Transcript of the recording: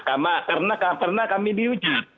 karena kami diujat